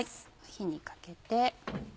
火にかけて。